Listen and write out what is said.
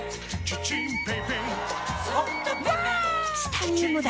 チタニウムだ！